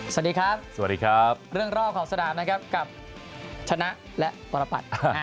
สวัสดีครับสวัสดีครับเรื่องรอบของสนามนะครับกับชนะและปรปัตย์